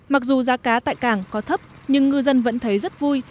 mặc dù giá cá tại cảng có thấp nhưng ngư dân vẫn thấy rất vui